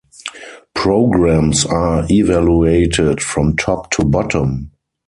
Programs are evaluated from top to bottom.